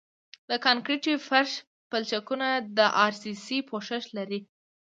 د کانکریټي فرش پلچکونه د ار سي سي پوښښ لري